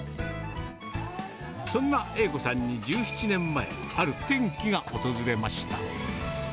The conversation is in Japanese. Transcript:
そんな栄子さんに１７年前、ある転機が訪れました。